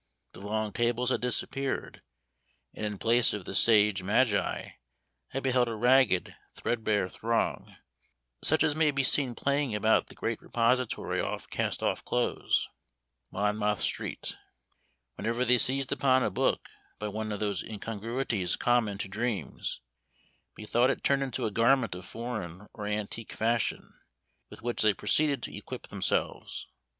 The long tables had disappeared, and, in place of the sage magi, I beheld a ragged, threadbare throng, such as may be seen plying about the great repository of cast off clothes, Monmouth Street. Whenever they seized upon a book, by one of those incongruities common to dreams, methought it turned into a garment of foreign or antique fashion, with which they proceeded to equip themselves.